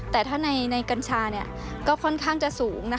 แต่ถ้าในกัญชาก็ค่อนข้างจะสูง